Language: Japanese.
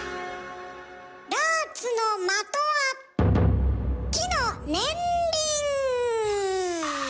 ダーツの「まと」は木の年輪。